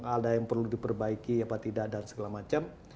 ada yang perlu diperbaiki apa tidak dan segala macam